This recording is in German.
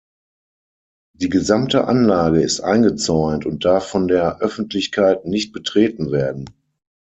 Die gesamte Anlage ist eingezäunt und darf von der Öffentlichkeit nicht betreten werden.